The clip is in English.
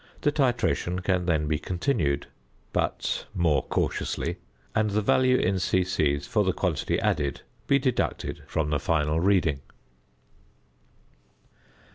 The titration can then be continued, but more cautiously, and the value in "c.c." for the quantity added be deducted from the final reading.